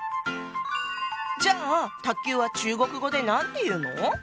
じゃあ卓球は中国語で何て言うの？